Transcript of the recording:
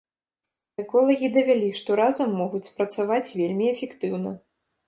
Эколагі давялі, што разам могуць спрацаваць вельмі эфектыўна.